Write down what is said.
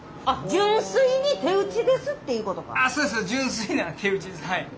純粋な手打ちです。